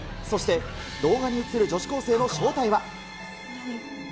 そして、動画に映る女子高生の正体は。